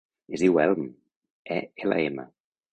Es diu Elm: e, ela, ema.